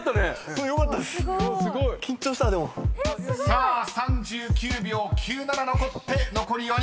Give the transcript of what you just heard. ［さあ３９秒９７残って残り４人］